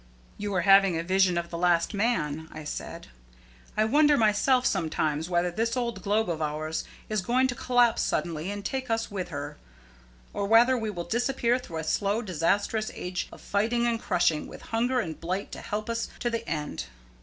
"You were having a vision of the last man," I said. "I wonder myself sometimes whether this old globe of ours is going to collapse suddenly and take us with her, or whether we will disappear through slow disastrous ages of fighting and crushing, with hunger and blight to help us to the end.